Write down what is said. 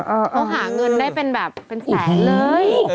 เขาหาเงินได้เป็นแบบเป็นแสนเลย